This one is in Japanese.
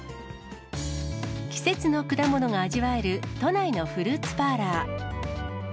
季節の果物が味わえる都内のフルーツパーラー。